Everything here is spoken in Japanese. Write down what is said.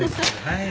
はい。